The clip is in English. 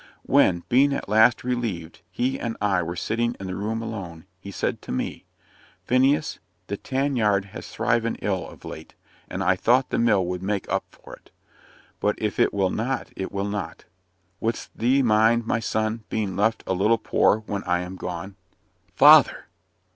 When, being at last relieved, he and I were sitting in the room alone, he said to me "Phineas, the tan yard has thriven ill of late, and I thought the mill would make up for it. But if it will not it will not. Wouldst thee mind, my son, being left a little poor when I am gone?" "Father!"